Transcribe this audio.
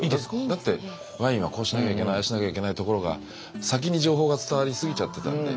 だってワインはこうしなきゃいけないああしなきゃいけないところが先に情報が伝わりすぎちゃってたんで。